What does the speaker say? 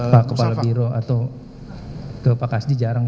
pak kepala biro atau ke pak kasdi jarang